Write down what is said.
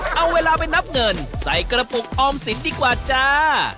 เอาเวลาไปนับเงินใส่กระปุกออมสินดีกว่าจ้า